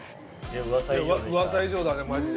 ウワサ以上だねマジで。